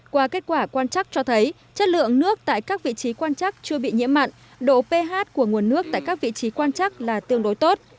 qua kết quả quan chắc cho thấy chất lượng nước tại các vị trí quan chắc chưa bị nhiễm mặn độ ph của nguồn nước tại các vị trí quan chắc là tương đối tốt